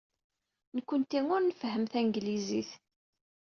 Nekkenti ur nfehhem tanglizit.